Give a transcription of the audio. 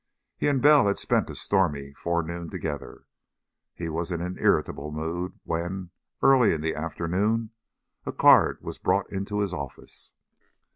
He and Bell had spent a stormy forenoon together; he was in an irritable mood when, early in the afternoon, a card was brought into his office.